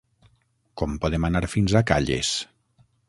Com podem anar fins a Calles?